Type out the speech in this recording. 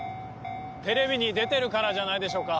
テレビに出てるからじゃないでしょうか？